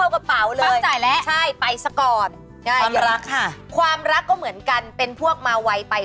มือซ้ายรับมือขวาจ่าย